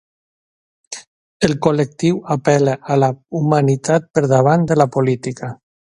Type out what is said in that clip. El col·lectiu apel·la a la humanitat per davant de la política.